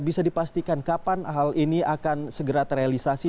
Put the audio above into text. bisa dipastikan kapan hal ini akan segera terrealisasi